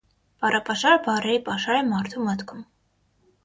Բառապաշարը բառերի պաշար է մարդու մտքում։